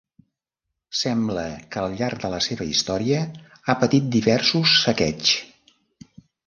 Sembla que al llarg de la seva història ha patit diversos saqueigs.